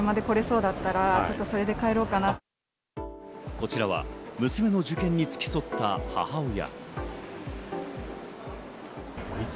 こちらは娘の受験に付き添った母親。